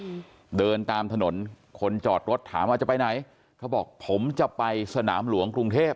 อืมเดินตามถนนคนจอดรถถามว่าจะไปไหนเขาบอกผมจะไปสนามหลวงกรุงเทพ